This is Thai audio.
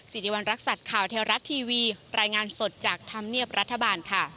ศรีบรรณรักษรข่าวทะเลรัตตรแทวีรายงานสดจากธรรมเนียบรัฐบาลค่ะ